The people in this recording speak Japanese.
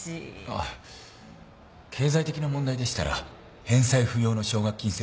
あっ経済的な問題でしたら返済不要の奨学金制度もありますし。